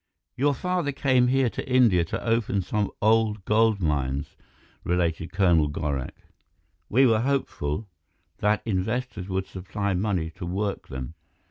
"Your father came here to India to open some old gold mines," related Colonel Gorak. "We were hopeful that investors would supply money to work them.